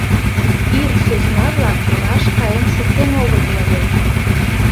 Ир сӧсна-влак тораш каен шуктен огытыл ыле.